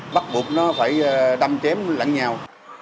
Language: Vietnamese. bắt buộc nó phải đâm chém lặng nhào